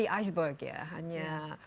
the iceberg ya hanya